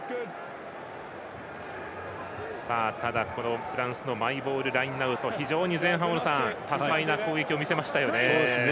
ただ、フランスのマイボールラインアウト非常に前半多彩な攻撃を見せましたよね。